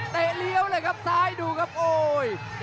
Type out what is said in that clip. เลี้ยวเลยครับซ้ายดูครับโอ้ย